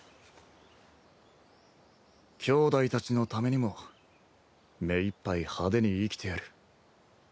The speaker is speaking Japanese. きょうだいたちのためにも目いっぱい派手に生きてやる。